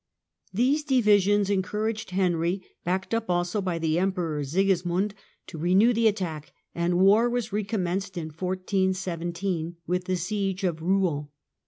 These divisions encouraged Henry, backed up also by the Emperor Sigismund, to renew the attack, and war was recommenced in 1417 Rouen, with the siege of Kouen.